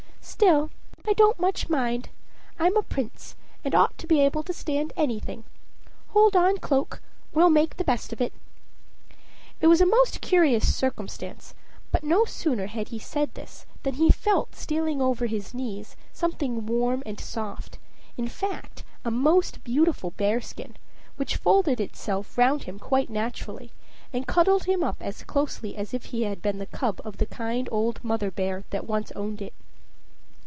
Still, I don't much mind; I'm a prince, and ought to be able to stand anything. Hold on, cloak, we'll make the best of it." It was a most curious circumstance, but no sooner had he said this than he felt stealing over his knees something warm and soft; in fact, a most beautiful bearskin, which folded itself round him quite naturally, and cuddled him up as closely as if he had been the cub of the kind old mother bear that once owned it.